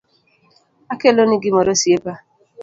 Akeloni gimoro osiepa